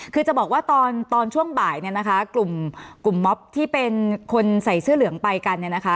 คือจะบอกว่าตอนตอนช่วงบ่ายเนี่ยนะคะกลุ่มม็อบที่เป็นคนใส่เสื้อเหลืองไปกันเนี่ยนะคะ